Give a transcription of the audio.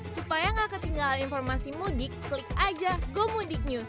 supaya nggak ketinggalan informasi mudik klik aja gomudik news